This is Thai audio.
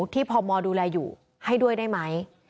พมดูแลอยู่ให้ด้วยได้ไหม